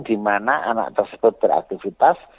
dimana anak tersebut beraktifitas